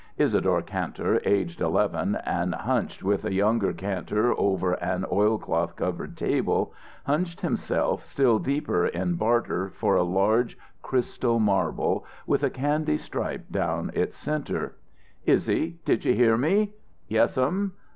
Isadore Kantor, aged eleven and hunched with a younger Kantor over an oilcloth covered table, hunched himself still deeper in barter for a large crystal marble with a candy stripe down its center. "Izzie, did you hear me?" "Yes'm."